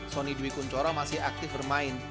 sony dewi kunchoro masih aktif bermain